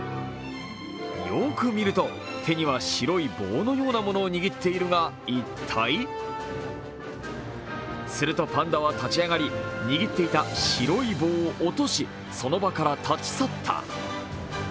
よく見ると、手には白い棒のようなものを握っているが、一体するとパンダは立ち上がり握っていた白い棒を落としその場から立ち去った。